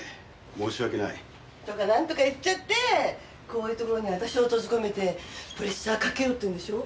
申し訳ない。とかなんとか言っちゃってこういうところに私を閉じ込めてプレッシャーかけようっていうんでしょ？